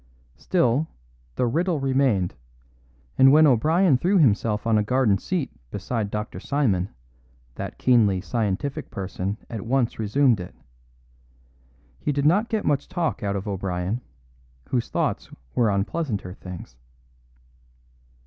Still, the riddle remained; and when O'Brien threw himself on a garden seat beside Dr. Simon, that keenly scientific person at once resumed it. He did not get much talk out of O'Brien, whose thoughts were on pleasanter things.